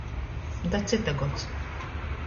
Da cyta gods.